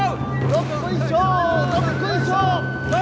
どっこいしょー